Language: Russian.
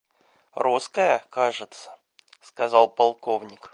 Русская, кажется, — сказал полковник.